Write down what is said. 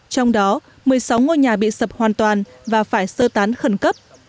trong đó một mươi sáu ngôi nhà bị sập hoàn toàn và phải sơ tán khẩn cấp